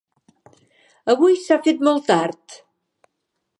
Avui s'ha fet molt tard.